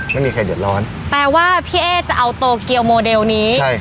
ไม่มีใครเดือดร้อนแปลว่าพี่เอ๊จะเอาโตเกียวโมเดลนี้ใช่